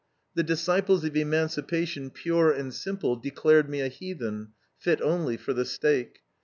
The disciples of emancipation pure and simple declared me a heathen, fit only for the stake.